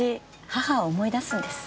母を思い出すんです。